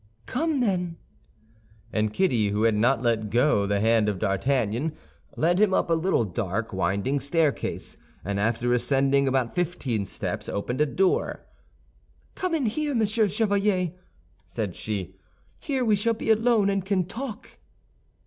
"Come, then." And Kitty, who had not let go the hand of D'Artagnan, led him up a little dark, winding staircase, and after ascending about fifteen steps, opened a door. "Come in here, Monsieur Chevalier," said she; "here we shall be alone, and can talk."